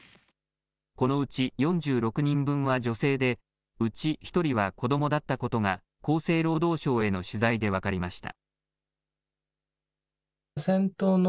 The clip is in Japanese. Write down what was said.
このうち４６人分は女性でうち１人は子どもだったことが厚生労働省への取材で分かりました。